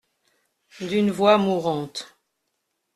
D’une voix mourante.